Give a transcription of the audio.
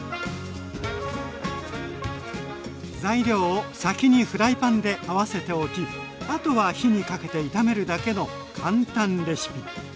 材料を先にフライパンで合わせておきあとは火にかけて炒めるだけの簡単レシピ！